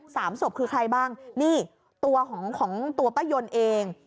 สามศพคือใครบ้างนี่ตัวของของตัวป้ายนเอง